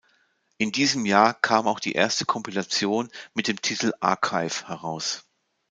In diesem Jahr kam auch die erste Kompilation mit dem Titel "Archive" heraus.